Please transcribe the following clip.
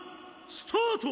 スタート